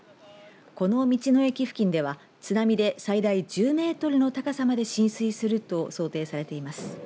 この道の駅付近では津波で最大１０メートルの高さまで浸水すると想定されています。